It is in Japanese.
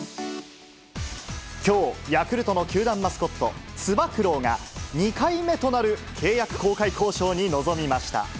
きょう、ヤクルトの球団マスコット、つば九郎が、２回目となる契約更改交渉に臨みました。